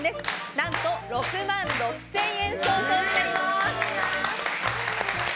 何と６万６０００円相当になります。